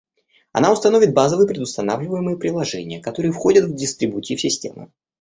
Она установит базовые предустанавливаемые приложения, которые входят в дистрибутив системы